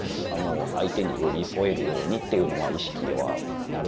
相手に寄り添えるようにっていうのは意識はなるべくしてます。